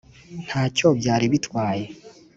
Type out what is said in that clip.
ntacyo byari bitwaye!